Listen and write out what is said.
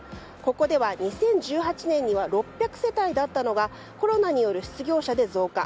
ここでは２０１８年には６００世帯だったのがコロナによる失業者で増加。